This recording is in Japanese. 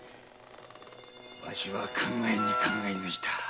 わしは考えに考え抜いた。